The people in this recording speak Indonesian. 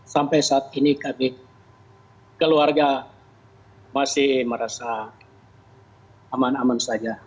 sampai saat ini kami keluarga masih merasa aman aman saja